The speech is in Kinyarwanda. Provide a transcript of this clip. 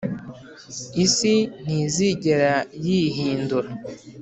isi ntizigera yihindura